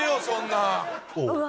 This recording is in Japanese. ⁉うわ！